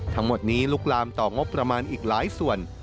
ทั้งหมดนี้ลุกลามต่องบประมาณอีกหลายส่วน